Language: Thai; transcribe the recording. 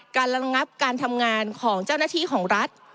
ระงับการทำงานของเจ้าหน้าที่ของรัฐ